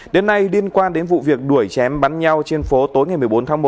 đến nay liên quan đến vụ việc đuổi chém bắn nhau trên phố tối ngày một mươi bốn tháng một